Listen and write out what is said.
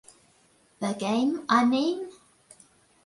The game, I mean?